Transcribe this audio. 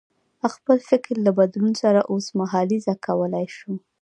خپل فکر له بدلون سره اوسمهالیزه کولای شو.